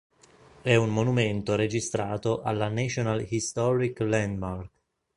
È un monumento registrato alla "National Historic Landmark".